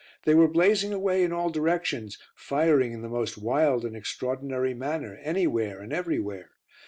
They were blazing away in all directions, firing in the most wild and extraordinary manner, anywhere and everywhere.